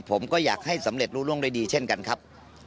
ผมก็อยากให้สำเร็จรู้ร่วงด้วยดีเช่นกันครับ